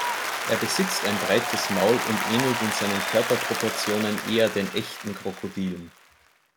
Er besitzt ein breites Maul und ähnelt in seinen Körperproportionen eher den Echten Krokodilen.